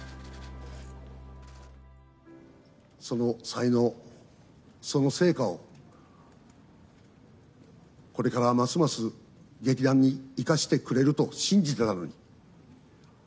その才能、その成果を、これからますます劇団に生かしてくれると信じてたのに。